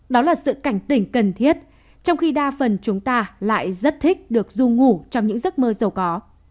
đó là sự cảnh tỉnh cần thiết trong khi đa phần chúng ta lại rất thích được dù ngủ trong những giấc mơ giàu có